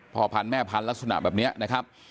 พ่อพันธแม่พันธุ์ลักษณะแบบนี้นะครับ